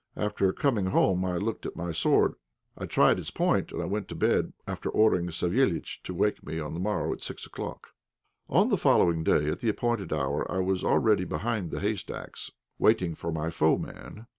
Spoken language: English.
After coming home I looked at my sword; I tried its point, and I went to bed after ordering Savéliitch to wake me on the morrow at six o'clock. On the following day, at the appointed hour, I was already behind the haystacks, waiting for my foeman.